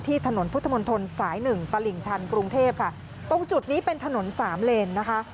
ถนนพุทธมนตรสายหนึ่งตลิ่งชันกรุงเทพค่ะตรงจุดนี้เป็นถนนสามเลนนะคะ